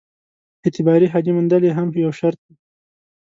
اعتباري حاجي موندل یې هم یو شرط وو.